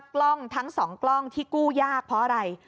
กล้องทั้ง๒กล้องที่กู้ยากเพราะอะไร